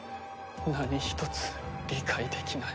何ひとつ理解できない。